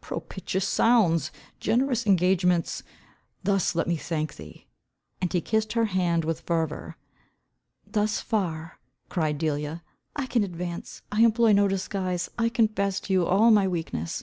"Propitious sounds! Generous engagements! Thus let me thank thee." And he kissed her hand with fervour. "Thus far," cried Delia, "I can advance. I employ no disguise. I confess to you all my weakness.